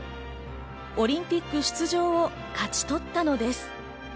オリンピック出場を勝ち取ったのです。